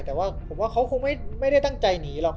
แต่ว่าผมว่าเขาคงไม่ได้ตั้งใจหนีหรอก